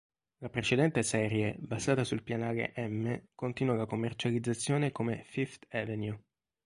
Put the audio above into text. La precedente serie basata sul pianale M continuò la commercializzazione come Fifth Avenue.